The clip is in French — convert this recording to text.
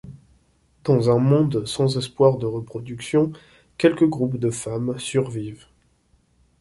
Dans un monde sans espoir de reproduction, quelques groupes de femmes survivent.